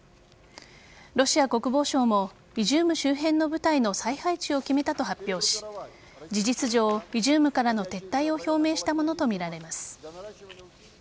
ロシア国防省もイジューム周辺の部隊の再配置を決めたと発表し事実上、イジュームからの撤退を表明したものとみられます。